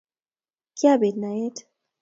Kiabeet naet.